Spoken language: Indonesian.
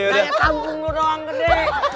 kayak kampung dulu doang gede